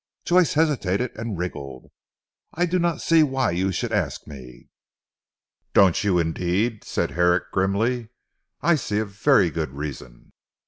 Joyce hesitated and wriggled. "I do not see why you should ask me?" "Don't you indeed," said Herrick grimly, "I see a very good reason.